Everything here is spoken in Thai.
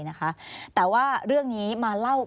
อันดับ๖๓๕จัดใช้วิจิตร